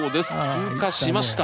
通過しました。